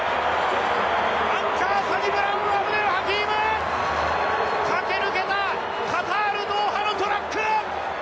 アンカー、サニブラウン・アブデルハキーム、駆け抜けたカタール・ドーハのトラック。